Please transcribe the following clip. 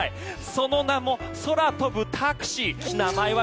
その名も、空飛ぶタクシー。